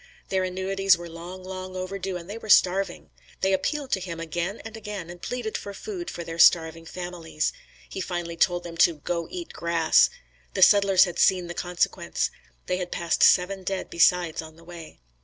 Their annuities were long, long overdue and they were starving. They appealed to him again and again and pleaded for food for their starving families. He finally told them to "Go eat grass." The settlers had seen the consequence. They had passed seven dead, besides on the way.